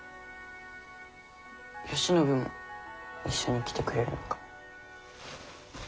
吉信も一緒に来てくれるのか？